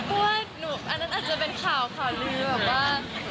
เพราะว่าหนูอันนั้นอาจจะเป็นข่าวข่าวลือ